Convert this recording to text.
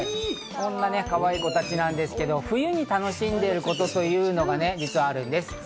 こんなかわいい子たちなんですけど、冬に楽しんでいることというのが実はあるんです。